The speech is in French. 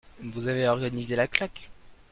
Vous avez organisé la claque